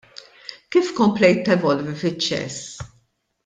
Kif komplejt tevolvi fiċ-ċess?